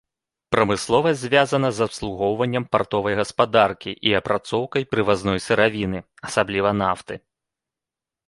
Прамысловасць звязана з абслугоўваннем партовай гаспадаркі і апрацоўкай прывазной сыравіны, асабліва нафты.